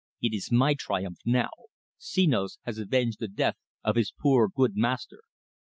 "It is my triumph now. Senos has avenged the death of his poor, good master!"